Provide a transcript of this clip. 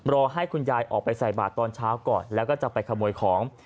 รอให้คุณยายออกไปใส่บาทตอนเช้าก่อนแล้วก็จะไปขโมยของ